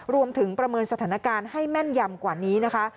ประเมินสถานการณ์ให้แม่นยำกว่านี้นะคะ